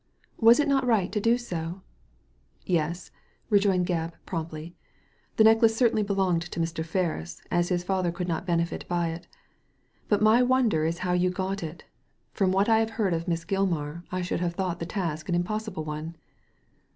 Was it not right to do so ?" "Yes/' rejoined Gebb, promptly, "the necklace certainly belonged to Mr. Ferris, as his father could not benefit by it But my wonder is how you got it From what I have heard of Miss Gilmar, I should have thought the task an impossible one."